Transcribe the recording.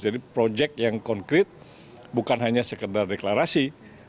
jadi proyek yang konkret bukan hanya sekedar deklarasi